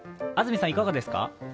安住さん、いかがですか？